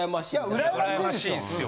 うらやましいですよ